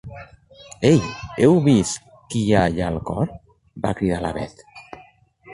Ei, heu vist qui hi ha allà al cor? —va cridar la Bet.